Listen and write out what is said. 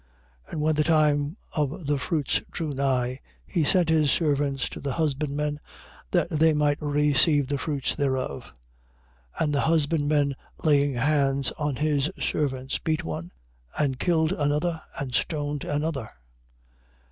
21:34. And when the time of the fruits drew nigh, he sent his servants to the husbandmen that they might receive the fruits thereof. 21:35. And the husbandmen laying hands on his servants, beat one and killed another and stoned another.